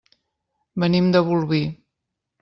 Venim de Bolvir.